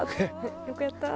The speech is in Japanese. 「よくやった」。